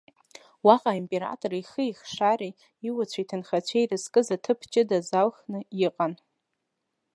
Уаҟа аимператор ихи ихшареи, иуацәеи иҭынхацәеи ирызкыз аҭыԥ ҷыда азалхны иҟан.